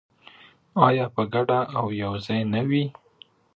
آیا په ګډه او یوځای نه وي؟